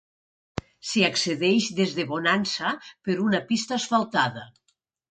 S'hi accedeix des de Bonansa, per una pista asfaltada.